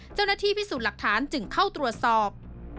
เจ้าหน้าที่พิสูจน์หลักฐานจึงเข้าตรวจสอบ